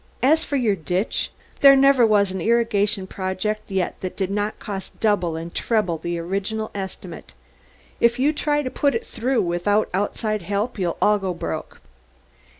"As for your ditch, there never was an irrigation project yet that did not cost double and treble the original estimate. If you try to put it through without outside help, you'll all go broke.